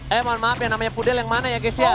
eh mohon maaf ya namanya pudel yang mana ya guys ya